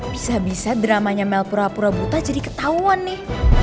bisa bisa dramanya mel pura pura buta jadi ketahuan nih